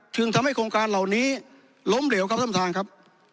ถึงทำให้โครงการเหล่านี้ล้มเหลวครับสัมภัณฑ์ครับ